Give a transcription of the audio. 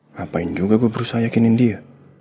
ngapain juga gue berusaha yakinin dia